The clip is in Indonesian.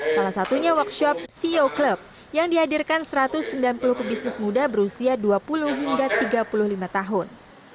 salah satunya workshop ceo club yang dihadirkan satu ratus sembilan puluh pebisnis muda berusia dua puluh hingga tiga puluh lima tahun